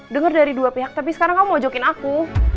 denger dari dua pihak tapi sekarang kamu mojokin aku